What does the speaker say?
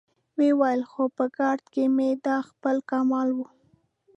ويې ويل: خو په ګارد کې مې دا خپل کمال و.